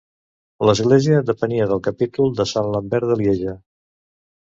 L'església depenia del capítol de Sant Lambert de Lieja.